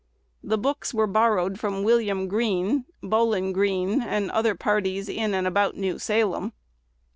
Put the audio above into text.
The books were borrowed from William Green, Bowlin Greene, and other parties in and about New Salem.